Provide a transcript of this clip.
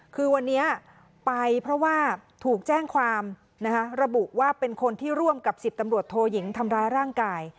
คือวันนี้ไปเพราะว่าถูกแจ้งความระบุว่าเป็นคนที่ร่วมกับ๑๐ตำรวจโทยิงทำร้ายร่างกาย